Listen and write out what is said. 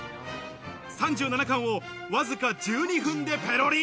３７貫をわずか１２分でペロリ。